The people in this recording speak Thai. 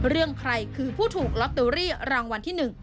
เรื่องใครคือผู้ถูกลอตเตอรี่รางวัลที่๑